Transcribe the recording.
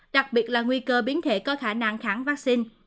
đặc biệt là nguy cơ biến thể có khả năng kháng vaccine